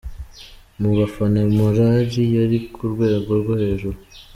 Mu bafana morali yari ku rwego rwo hejuru.